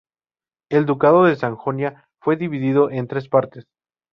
El ducado de Sajonia fue dividido en tres partes.